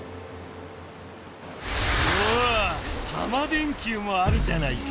わあタマ電Ｑもあるじゃないか。